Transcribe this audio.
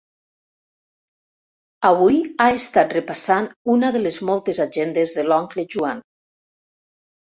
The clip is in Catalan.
Avui ha estat repassant una de les moltes agendes de l'oncle Joan.